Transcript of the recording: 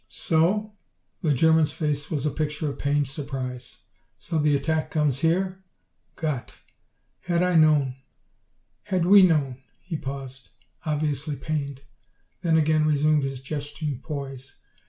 "So?" The German's face was a picture of pained surprise. "So the attack comes here? Gott! Had I known had we known." He paused, obviously pained, then again resumed his jesting poise.